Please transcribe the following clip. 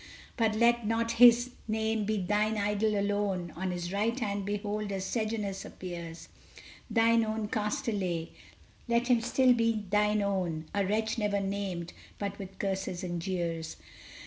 But let not his name be thine idol alone On his right hand behold a Sejanus appears! Thine own Castlereagh! let him still be thine own! A wretch never named but with curses and jeers!